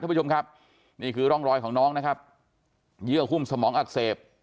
ผู้ชมครับนี่คือร่องรอยของน้องนะครับเยื่อหุ้มสมองอักเสบ